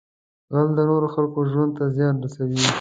غل د نورو خلکو ژوند ته زیان رسوي